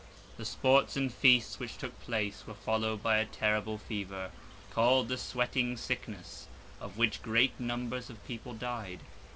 The sports and feasts which took place were followed by a terrible fever, called the Sweating Sickness; of which great numbers of people died.